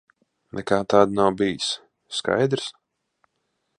Nekā tāda nav bijis. Skaidrs?